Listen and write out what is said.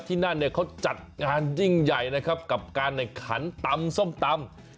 ที่นั่นเนี่ยเขาจัดงานยิ่งใหญ่นะครับกับการแข่งขันตำส้มตำ